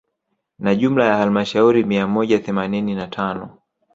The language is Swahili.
Na jumla ya halmashauri mia moja themanini na tano